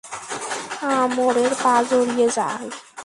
আমরের পা জড়িয়ে যায়।